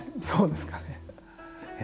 そうですかね。